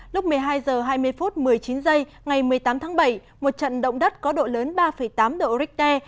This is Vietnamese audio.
lúc một mươi hai h hai mươi phút một mươi chín giây ngày một mươi tám tháng bảy một trận động đất có độ lớn ba tám độ richter